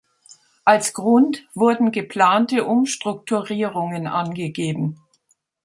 Als Grund wurden geplante Umstrukturierungen angegeben.